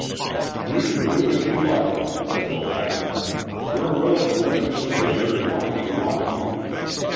"You can do as you like," said the latter. "We're willing to let you stay here as long as you want to."